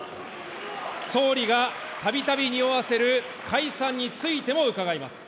総理がたびたびにおわせる解散についても伺います。